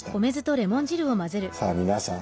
さあ皆さん